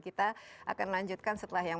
kita akan lanjutkan setelah yang